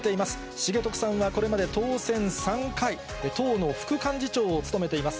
重徳さんはこれまで当選３回、党の副幹事長を務めています。